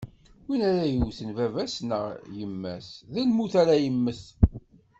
Win ara yewten baba-s neɣ yemma-s, d lmut ara yemmet.